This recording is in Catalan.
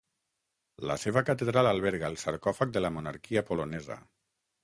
La seva catedral alberga el sarcòfag de la monarquia polonesa.